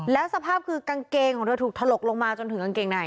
แล้วสภาพคือกางเกงของเธอถูกถลกลงมาจนถึงกางเกงใน